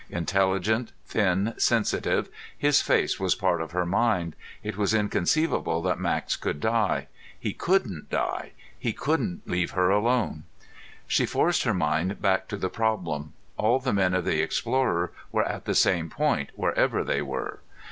Intelligent, thin, sensitive, his face was part of her mind. It was inconceivable that Max could die. He couldn't die. He couldn't leave her alone. She forced her mind back to the problem. All the men of the Explorer were at the same point, wherever they were.